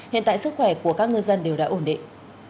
hiện tại sức khỏe của các ngư dân đều đã ổn định